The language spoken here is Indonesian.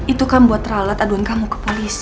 itu kamu buat ralat aduan kamu ke polisi